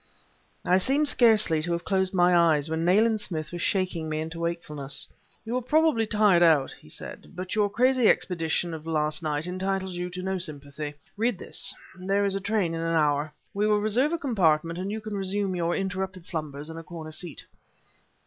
I seemed scarcely to have closed my eyes, when Nayland Smith was shaking me into wakefulness. "You are probably tired out," he said; "but your crazy expedition of last night entitles you to no sympathy. Read this; there is a train in an hour. We will reserve a compartment and you can resume your interrupted slumbers in a corner seat."